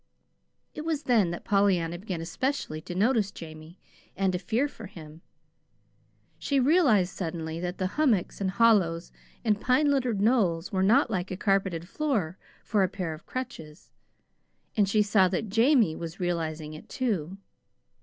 It was then that Pollyanna began especially to notice Jamie, and to fear for him. She realized suddenly that the hummocks and hollows and pine littered knolls were not like a carpeted floor for a pair of crutches, and she saw that Jamie was realizing it, too.